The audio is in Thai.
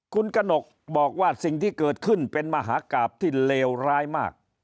คุณกระหนกบอกว่าสิ่งที่เกิดขึ้นเป็นมหากราบที่เลวร้ายมาก